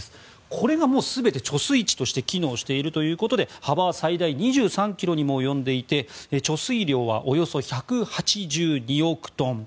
これが全て貯水池として機能しているということで幅最大２３ｋｍにも及んでいて貯水量はおよそ１８２億トン。